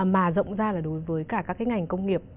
mà rộng ra là đối với cả các cái ngành công nghiệp